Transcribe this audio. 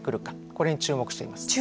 これに注目しています。